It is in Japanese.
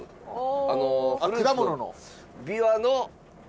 果物の？